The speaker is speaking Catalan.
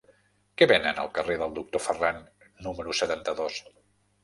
Què venen al carrer del Doctor Ferran número setanta-dos?